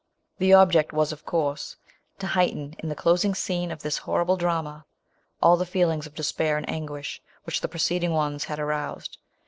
The ob ject was, of course, to heighten, in the closing scene of this horrible drama, all the feelings of despair and anguish, which the preceding ones had aroused.